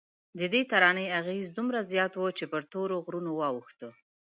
ددې ترانې اغېز دومره زیات و چې پر تورو غرونو واوښته.